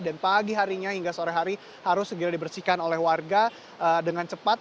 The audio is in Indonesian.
dan pagi harinya hingga sore hari harus segera dibersihkan oleh warga dengan cepat